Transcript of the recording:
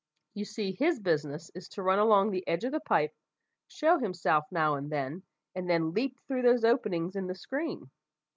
You see, his business is to run along the edge of the pipe, show himself now and then, and then leap through those openings in the screen.